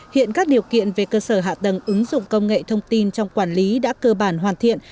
hiện các điều kiện về cơ sở hạ tầng ứng dụng công nghệ thông tin trong quản lý đã cơ bản hoàn thiện